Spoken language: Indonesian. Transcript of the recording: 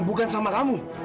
bukan sama kamu